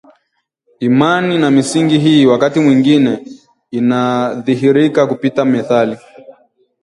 Imani na misingi hii wakati mwingine inadhihirika kupitia methali